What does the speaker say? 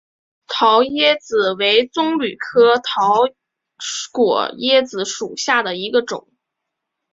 桃椰子为棕榈科桃果椰子属下的一个种。